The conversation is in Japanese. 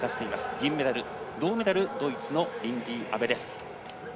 銀メダル銅メダル、ドイツのリンディ・アベです。